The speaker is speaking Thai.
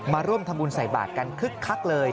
มาร่วมทำบุญใส่บาทกันคึกคักเลย